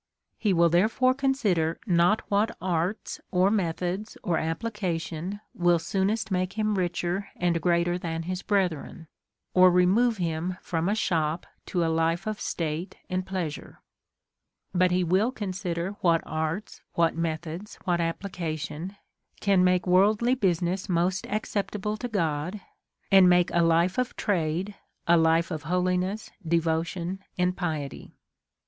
He will therefore consider not what arts, or methods, or application, will soonest make him richer and greater than his brethren, or remove him from a shop to a life of state and pleasure ; but he will consider what arts, what methods, what application, can make worldly business most acceptable to God, and make a life of trade a life of holiness, devotion, and piety.